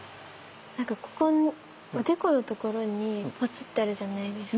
なんかここのおでこのところにポツってあるじゃないですか。